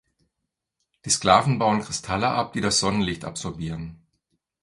Die Sklaven bauen Kristalle ab, die das Sonnenlicht absorbieren.